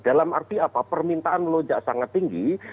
dalam arti apa permintaan melonjak sangat tinggi